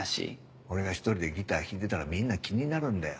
俺が１人でギター弾いてたらみんな気になるんだよ。